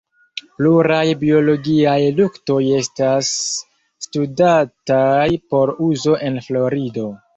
Pluraj biologiaj luktoj estas studataj por uzo en Florido.